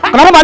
kenapa pak d